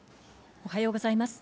おはようございます。